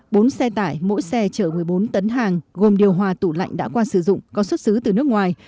bốn xe tải mỗi xe chở một mươi bốn tấn hàng gồm điều hòa tủ lạnh đã qua sử dụng có xuất xứ từ nước ngoài